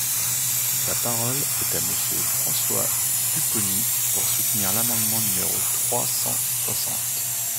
La parole est à Monsieur François Pupponi, pour soutenir l’amendement numéro trois cent soixante.